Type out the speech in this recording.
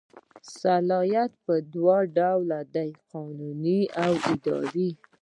صلاحیت په دوه ډوله دی قانوني او اداري.